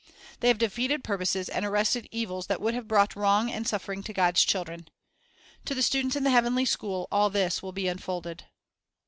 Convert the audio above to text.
They have defeated purposes and arrested evils that would have brought wrong and suffering to God's children. To the students in the heavenly school, all this will be unfolded.